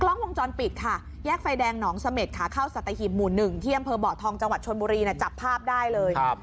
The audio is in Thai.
กล้องวงจรปิดค่ะแยกไฟแดงหนองเสม็ดขาเข้าสัตหิบหมู่๑ที่อำเภอเบาะทองจังหวัดชนบุรีจับภาพได้เลย